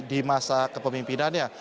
di masa kepemimpinannya